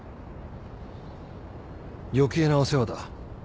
余計なお世話だ。